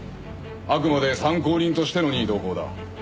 あくまで参考人としての任意同行だ。